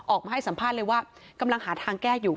ออกมาให้สัมภาษณ์เลยว่ากำลังหาทางแก้อยู่